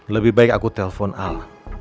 lebih baik aku telpon al